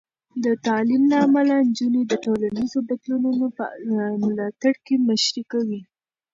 د تعلیم له امله، نجونې د ټولنیزو بدلونونو په ملاتړ کې مشري کوي.